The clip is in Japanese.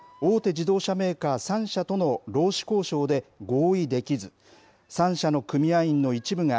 自動車メーカー３社との労使交渉で合意できず、３社の組合員の一部が、